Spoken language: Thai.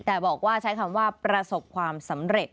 แต่บอกว่าใช้คำว่าประสบความสำเร็จ